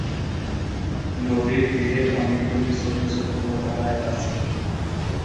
নদীটির তীরে অনেকগুলি ছোট ছোট লোকালয় আছে।